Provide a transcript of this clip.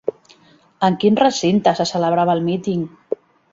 En quin recinte se celebrava el míting?